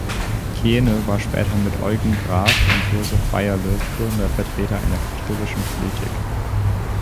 Kiene war später mit Eugen Graf und Josef Beyerle führender Vertreter einer katholischen Politik.